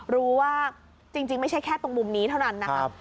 รู้ว่าจริงไม่ใช่แค่ตรงมุมนี้เท่านั้นนะครับ